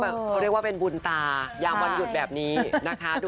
เขาเรียกว่าเป็นบุญตายามวันหยุดแบบนี้นะคะ